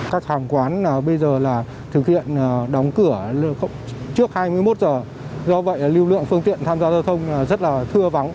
các hàng quán bây giờ thực hiện đóng cửa trước hai mươi một h do vậy lưu lượng phương tiện tham gia giao thông rất thưa vắng